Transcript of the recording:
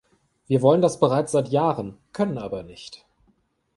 Wir wollen das bereits seit Jahren, können aber nicht.